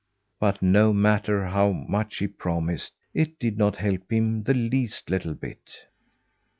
But no matter how much he promised it did not help him the least little bit.